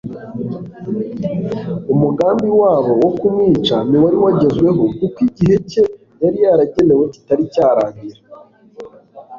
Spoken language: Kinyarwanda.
umugambi wabo wo kumwica ntiwari wagezweho kuko igihe cye yari yaragenewe kitari cyarangira.